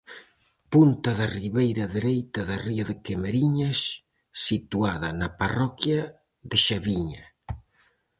Punta da ribeira dereita da ría de Camariñas, situada na parroquia de Xaviña.